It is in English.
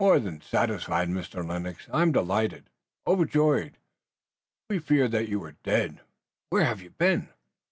"More than satisfied, Mr. Lennox! I'm delighted, Overjoyed! We feared that you were dead! Where have you been?"